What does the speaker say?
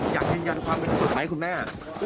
อยากบอกว่าเราไม่ได้ทำ